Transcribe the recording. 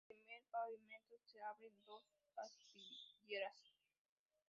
En el primer pavimento se abren dos aspilleras.